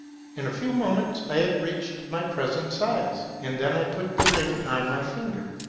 In a few moments I had reached my present size, and then I put the ring on my finger.